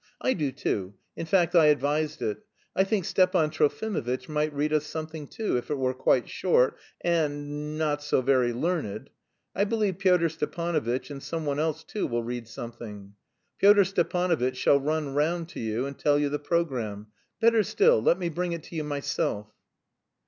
I do, too. In fact I advised it. I think Stepan Trofimovitch might read us something too, if it were quite short and... not so very learned. I believe Pyotr Stepanovitch and some one else too will read something. Pyotr Stepanovitch shall run round to you and tell you the programme. Better still, let me bring it to you myself."